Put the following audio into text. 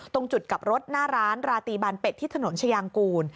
ตรงจุดกลับรถหน้าร้านราตีบานเป็ดที่ถนนชายางกูล